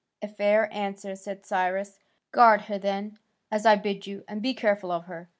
"A fair answer," said Cyrus. "Guard her then, as I bid you, and be careful of her.